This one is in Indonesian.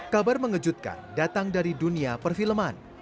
kabar mengejutkan datang dari dunia perfilman